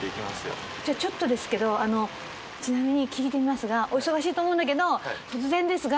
じゃあちょっとですけどちなみに聞いてみますがお忙しいと思うんだけど突然ですが。